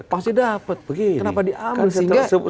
pasti dapat kenapa diambil sehingga